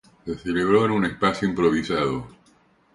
Se celebró en un espacio improvisado.